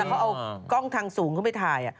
เขาเอากล้องทางสูงเข้าไปถ่าย